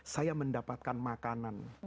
saya mendapatkan makanan